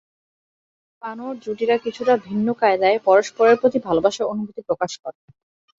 বানর জুটিরা কিছুটা ভিন্ন কায়দায় পরস্পরের প্রতি ভালোবাসার অনুভূতি প্রকাশ করে।